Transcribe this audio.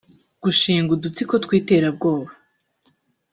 gushyinga udutsiko tw’iterabwoba